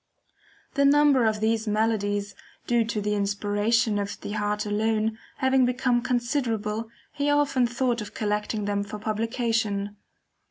The number of these melodies, due to the inspiration of the heart alone, having become considerable, he often thought of collecting them for publication.